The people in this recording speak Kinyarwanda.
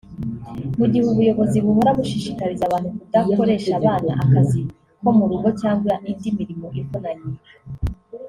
mu gihe ubuyobozi buhora bushishikariza abantu kudakoresha abana akazi ko mu rugo cyangwa indi mirimo ivunanye